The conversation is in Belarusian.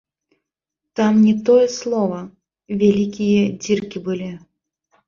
Там не тое слова, вялікія дзіркі былі!